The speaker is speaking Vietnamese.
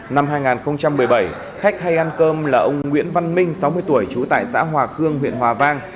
năm hai nghìn một mươi bảy khách hay ăn cơm là ông nguyễn văn minh sáu mươi tuổi trú tại xã hòa khương huyện hòa vang